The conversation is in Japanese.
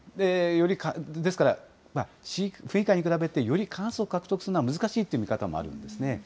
ですから、府議会に比べて、より過半数を獲得するのは難しいっていう見方もあるんですね。